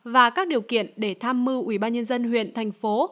và các điều kiện để tham mưu ubnd huyện thành phố